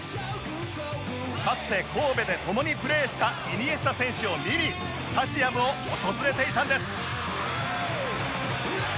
かつて神戸で共にプレーしたイニエスタ選手を見にスタジアムを訪れていたんです